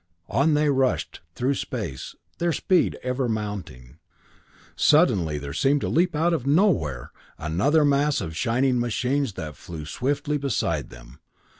On they rushed through space, their speed ever mounting. Suddenly there seemed to leap out of nowhere another mass of shining machines that flew swiftly beside them.